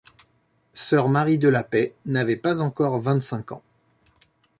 Sœur Marie de la Paix n'avait pas encore vingt-cinq ans.